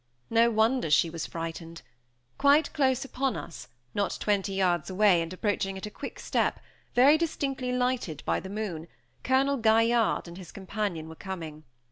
No wonder she was frightened. Quite close upon us, not twenty yards away, and approaching at a quick step, very distinctly lighted by the moon, Colonel Gaillarde and his companion were coming.